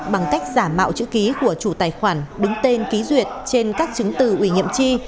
bằng cách giả mạo chữ ký của chủ tài khoản đứng tên ký duyệt trên các chứng từ ủy nhiệm chi